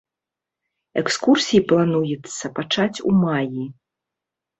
Экскурсіі плануецца пачаць у маі.